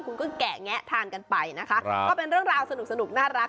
คุณก็แกะแงะทานกันไปนะคะก็เป็นเรื่องราวสนุกน่ารัก